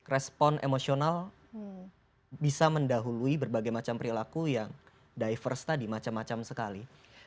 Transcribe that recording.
respon emosional bisa mendahului berbagai macam perilaku yang diverse tadi macam macam sekali